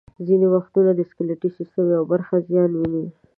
ځینې وخت د سکلیټي سیستم یوه برخه زیان ویني.